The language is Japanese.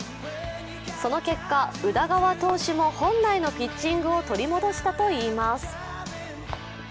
その結果、宇田川投手も本来のピッチングを取り戻したといいます。